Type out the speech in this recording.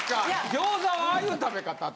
餃子はああいう食べ方って。